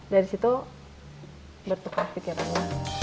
dari situ bertukar pikirannya